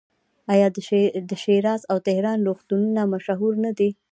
آیا د شیراز او تهران روغتونونه مشهور نه دي؟